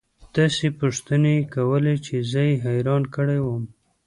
داسې پوښتنې يې كولې چې زه يې حيران كړى وم.